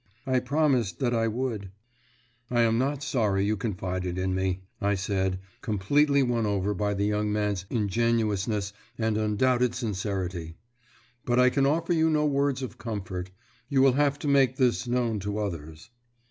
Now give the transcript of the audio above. I promised that I would." "I am not sorry you confided in me," I said, completely won over by the young man's ingenuousness and undoubted sincerity; "but I can offer you no words of comfort. You will have to make this known to others."